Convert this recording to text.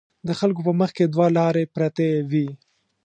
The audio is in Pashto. د خلکو په مخکې دوه لارې پرتې وي.